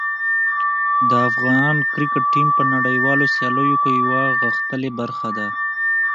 د افغان کرکټ ټیم په نړیوالو سیالیو کې یوه غښتلې برخه ده.